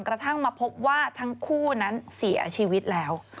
กระทั่งมาพบว่าทั้งคู่นั้นเสียชีวิตแล้ว